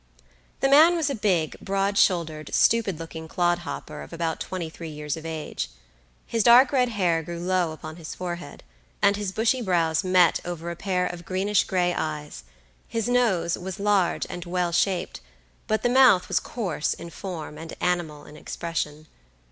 The man was a big, broad shouldered, stupid looking clod hopper of about twenty three years of age. His dark red hair grew low upon his forehead, and his bushy brows met over a pair of greenish gray eyes; his nose was large and well shaped, but the mouth was coarse in form and animal in expression.